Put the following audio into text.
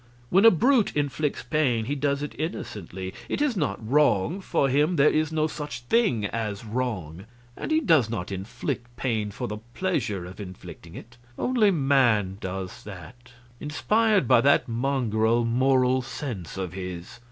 When a brute inflicts pain he does it innocently; it is not wrong; for him there is no such thing as wrong. And he does not inflict pain for the pleasure of inflicting it only man does that. Inspired by that mongrel Moral Sense of his!